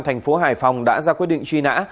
thành phố hải phòng đã ra quyết định truy nã